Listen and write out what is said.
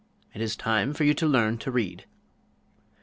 It is time for you to learn to read."